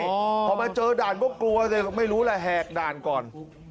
พอมาเจอด่านก็กลัวสิไม่รู้แหละแหกด่านก่อน